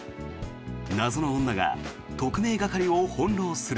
謎の女が特命係を翻ろうする。